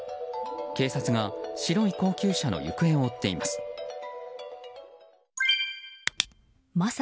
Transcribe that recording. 警察が白い高級車の行方を追っています。